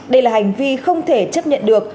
đây là hành vi không thể chấp nhận được